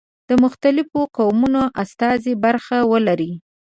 د مختلفو قومونو استازي برخه ولري.